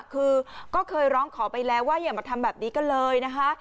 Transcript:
คือก็เคยร้องขอไปแล้วว่าอย่ามาทำแบบนี้กันเลยนะคะ